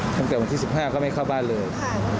ค่ะก็ไปให้เขาเข้าเลย